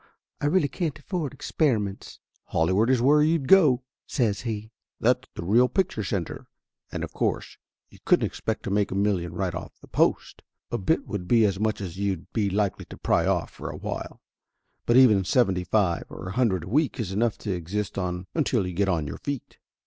I really can't afford experiments." "Hollywood is where you'd go," says he. "That's the real picture center. And of course you couldn't expect to make a million right off the post. A bit would be as much as you'd be likely to pry off for a while, but even seventy five or a hundred a week is enough to exist on until you got on your feet.